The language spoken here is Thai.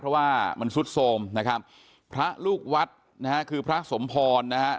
เพราะว่ามันซุดโทรมนะครับพระลูกวัดนะฮะคือพระสมพรนะฮะ